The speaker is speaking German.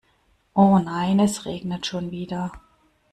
Oh, nein, es regnet schon wieder.